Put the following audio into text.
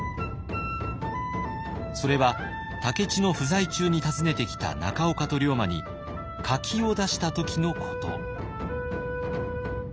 それは武市の不在中に訪ねてきた中岡と龍馬に柿を出した時のこと。